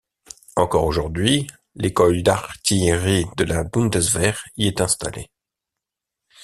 Encore aujourd'hui, l'école d'artillerie de la Bundeswehr y est installée.